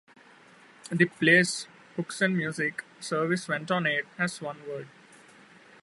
The "plays, books and music" service went on air as Oneword.